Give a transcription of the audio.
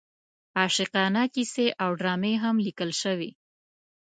عاشقانه کیسې او ډرامې هم لیکل شوې.